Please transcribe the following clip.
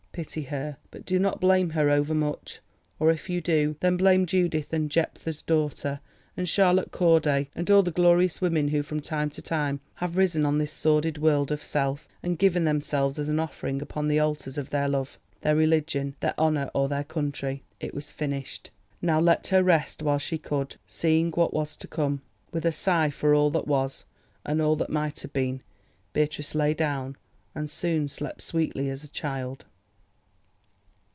Pity her, but do not blame her overmuch, or if you do, then blame Judith and Jephtha's daughter and Charlotte Corday, and all the glorious women who from time to time have risen on this sordid world of self, and given themselves as an offering upon the altars of their love, their religion, their honour or their country! It was finished. Now let her rest while she could, seeing what was to come. With a sigh for all that was, and all that might have been, Beatrice lay down and soon slept sweetly as a child.